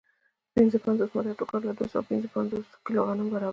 پنځه پنځوس متره ټوکر له دوه سوه پنځه پنځوس کیلو غنمو برابر دی